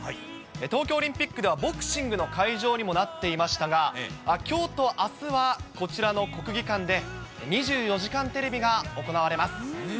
東京オリンピックでは、ボクシングの会場にもなっていましたが、きょうとあすは、こちらの国技館で、２４時間テレビが行われます。